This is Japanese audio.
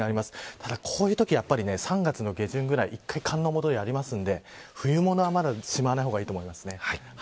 ただ、こういうときは１回３月の下旬ぐらいに寒の戻りがありますので冬物は、まだしまわない方がいいと思います。